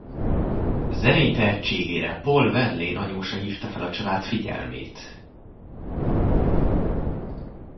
Zenei tehetségére Paul Verlaine anyósa hívta fel a család figyelmét.